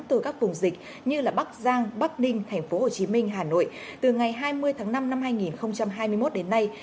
từ các vùng dịch như bắc giang bắc ninh tp hcm hà nội từ ngày hai mươi tháng năm năm hai nghìn hai mươi một đến nay